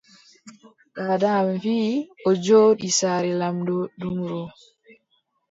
Daada am wii o jooɗi saare lamɗo Dumru,